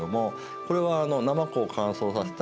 これはなまこを乾燥させたいりこ。